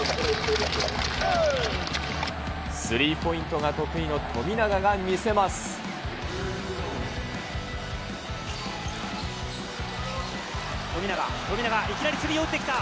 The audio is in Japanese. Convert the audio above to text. スリーポイントが得意の富永富永、富永、いきなりスリーを打ってきた。